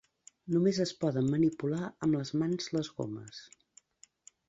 Només es poden manipular amb les mans les gomes.